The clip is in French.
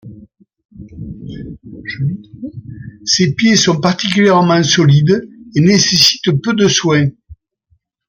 Ses pieds sont particulièrement solides, et nécessitent peu de soins.